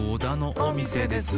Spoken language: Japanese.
「おみせです」